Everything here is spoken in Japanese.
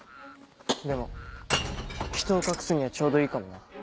でも人を隠すにはちょうどいいかもな。